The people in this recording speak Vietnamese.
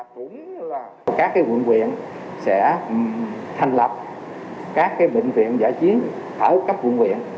các quận huyền sẽ thành lập các bệnh viện giả chiến ở các quận huyền